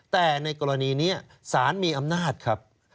แต่ในกรณีนี้สารมีอำนาจครับ